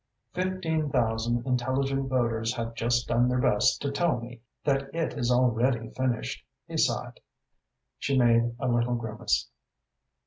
"Fifteen thousand intelligent voters have just done their best to tell me that it is already finished," he sighed. She made a little grimace.